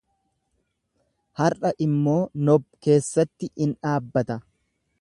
Har'a immoo Nob keessatti in dhaabbata.